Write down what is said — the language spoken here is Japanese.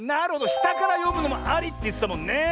したからよむのもありってやつだもんね。